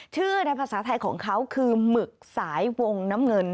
ในภาษาไทยของเขาคือหมึกสายวงน้ำเงิน